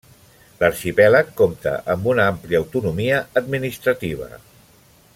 L'arxipèlag compta amb una àmplia autonomia administrativa.